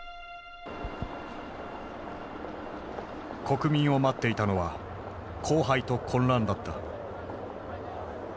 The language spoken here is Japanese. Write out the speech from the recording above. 国民を待っていたのは荒廃と混乱だった。